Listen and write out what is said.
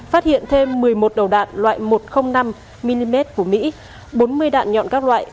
phát hiện thêm một mươi một đầu đạn loại một trăm linh năm mm của mỹ bốn mươi đạn nhọn các loại